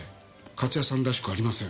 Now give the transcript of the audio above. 勝谷さんらしくありません。